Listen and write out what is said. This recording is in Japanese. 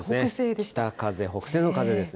北風、北西の風ですね。